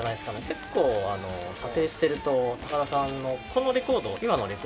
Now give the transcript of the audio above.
結構査定してると高田さんのこのレコード今のレコードは。